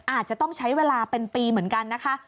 อาจจะต้องใช้เวลาเป็นปีเหมือนกันนะคะ